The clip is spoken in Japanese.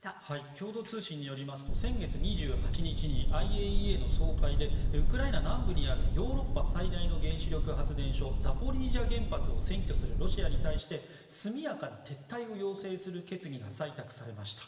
共同通信によりますと先月２８日にＩＡＥＡの総会でウクライナ南部にあるヨーロッパ最大の原子力発電所ザポリージャ原発を占拠するロシアに対して速やかな撤退を要請する決議が採択されました。